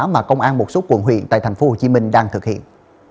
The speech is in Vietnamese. mà công an một số quận huyện tại tp hcm đang thực hiện